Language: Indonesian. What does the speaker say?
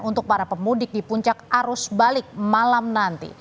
untuk para pemudik di puncak arus balik malam nanti